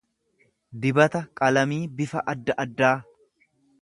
dibata qalamii bifa adda addaa.